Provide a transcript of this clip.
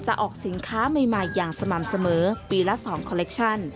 ออกสินค้าใหม่อย่างสม่ำเสมอปีละ๒คอลเลคชั่น